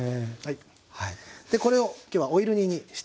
でこれを今日はオイル煮にしていきます。